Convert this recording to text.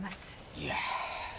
いや。